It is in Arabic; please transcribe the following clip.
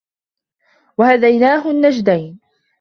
وَهَدَيناهُ النَّجدَينِ